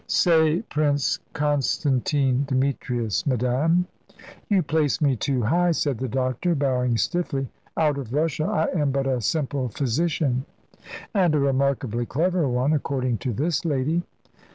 "Say Prince Constantine Demetrius, madame. "You place me too high," said the doctor, bowing stiffly. "Out of Russia I am but a simple physician." "And a remarkably clever one, according to this lady."